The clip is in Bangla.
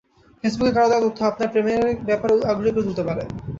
ফেসবুকে কারও দেওয়া তথ্য আপনাকে প্রেমের ব্যাপারে আগ্রহী করে তুলতে পারে।